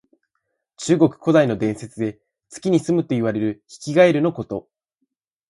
中国古代の伝説で、月にすむといわれるヒキガエルのこと。